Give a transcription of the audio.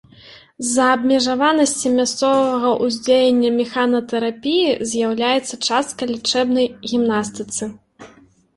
З-за абмежаванасці мясцовага ўздзеяння механатэрапіі з'яўляецца часткай лячэбнай гімнастыцы.